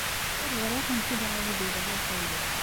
Ur ẓriɣ amek i iɛawed yeḍra-d waya.